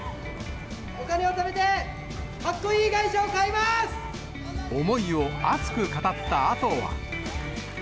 お金をためて、かっこいい外思いを熱く語ったあとは。